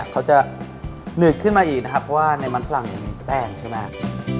เขาจะหนืดขึ้นมาอีกนะครับเพราะว่าในมันผลังมีแป้งใช่ไหม